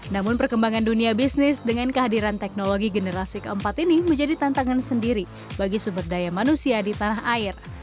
namun perkembangan dunia bisnis dengan kehadiran teknologi generasi keempat ini menjadi tantangan sendiri bagi sumber daya manusia di tanah air